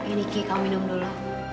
ini ki kau minum dulu